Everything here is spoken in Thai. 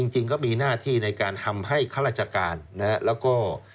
จริงก็มีหน้าที่ในการทำให้ข้าราชการแล้วก็